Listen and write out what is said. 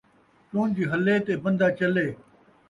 چُن٘ج ہلے تے بن٘دہ چلے